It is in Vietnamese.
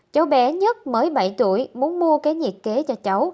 cháu bé nhất mới bảy tuổi muốn mua cái nhiệt kế cho cháu